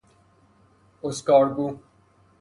اسکارگو